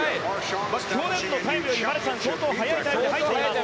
去年のタイムよりマルシャン相当速いタイムで入っています。